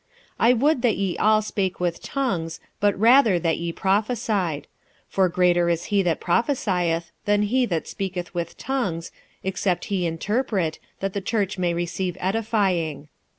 46:014:005 I would that ye all spake with tongues but rather that ye prophesied: for greater is he that prophesieth than he that speaketh with tongues, except he interpret, that the church may receive edifying.